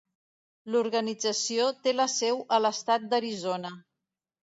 L'organització té la seu a l'estat d'Arizona.